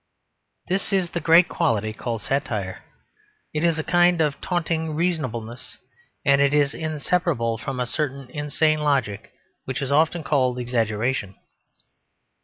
This is the great quality called satire; it is a kind of taunting reasonableness; and it is inseparable from a certain insane logic which is often called exaggeration.